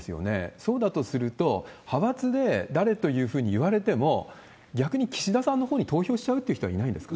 そうだとすると、派閥で誰というふうにいわれても、逆に岸田さんのほうに投票しちゃうって人はいないんですか？